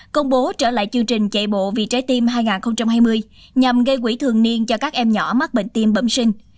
công bố trở lại chương trình chạy bộ vì trái tim hai nghìn hai mươi nhằm gây quỹ thường niên cho các em nhỏ mắc bệnh tim bẩm sinh